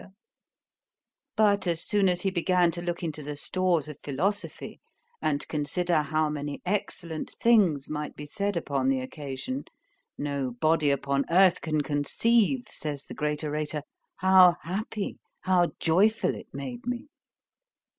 _—But as soon as he began to look into the stores of philosophy, and consider how many excellent things might be said upon the occasion—no body upon earth can conceive, says the great orator, how happy, how joyful it made me.